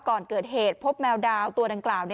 ก่อนเกิดเหตุพบแมวดาวตัวดังกล่าว